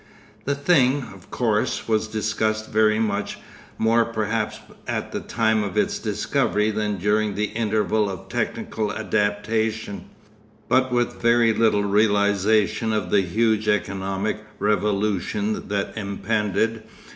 The thing, of course, was discussed very much, more perhaps at the time of its discovery than during the interval of technical adaptation, but with very little realisation of the huge economic revolution that impended.